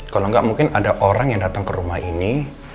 kalau nggak mungkin ada orang yang datang ke rumah ini